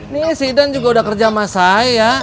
nih si idan juga udah kerja sama saya